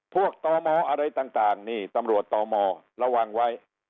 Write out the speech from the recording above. ตมอะไรต่างนี่ตำรวจตมระวังไว้